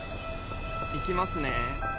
行きますね。